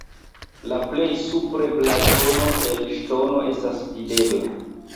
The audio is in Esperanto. La plej supre blazono el ŝtono estas videbla.